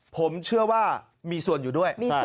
ผมเชื่อว่ามีส่วนอยู่ด้วย